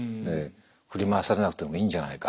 振り回されなくてもいいんじゃないか。